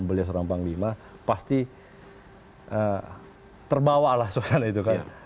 beliau seorang panglima pasti terbawalah suasana itu kan